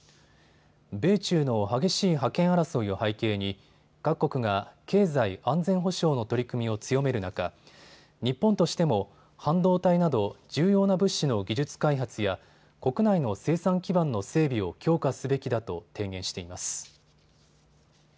米中の激しい覇権争いを背景に各国が経済安全保障の取り組みを強める中、日本としても半導体など重要な物資の技術開発や国内の生産基盤の整備を強化すべきだと提言しています。